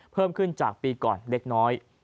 เพิ่มขึ้นจากปีก่อนเล็กน้อย